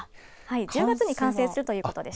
１０月に完成するということでした。